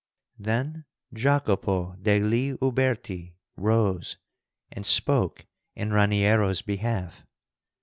Then Jacopo degli Uberti rose and spoke in Raniero's behalf.